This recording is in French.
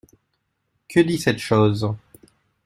Que dit cette chose ?